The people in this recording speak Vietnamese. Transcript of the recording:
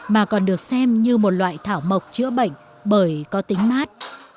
mà còn được xem như một loại thảo mộc chữa bệnh bởi có tính mát